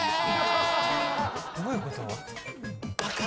どういうこと？